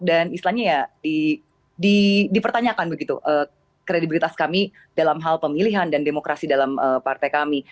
dan istilahnya ya dipertanyakan begitu kredibilitas kami dalam hal pemilihan dan demokrasi dalam partai kami